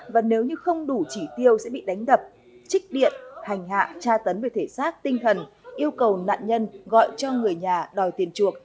và nếu như không đủ chỉ tiêu sẽ bị đánh đập trích điện hành hạ tra tấn về thể xác tinh thần yêu cầu nạn nhân gọi cho người nhà đòi tiền chuộc